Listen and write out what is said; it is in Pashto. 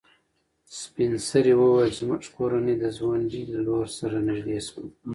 سپین سرې وویل چې زموږ کورنۍ د ځونډي له لور سره نږدې شوه.